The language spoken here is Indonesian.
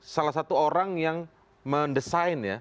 salah satu orang yang mendesain ya